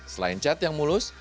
selain cat yang mulus